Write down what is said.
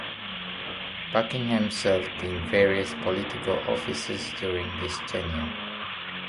Buckingham served in various political offices during his tenure.